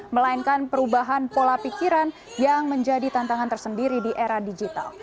melainkan perubahan pola pikiran yang menjadi tantangan tersendiri di era digital